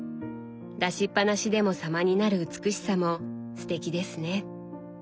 出しっぱなしでも様になる美しさもすてきですね。